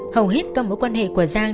hầu hết các mối quan hệ của giang